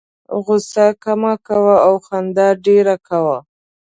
غوسه کمه کوه او خندا ډېره کوه.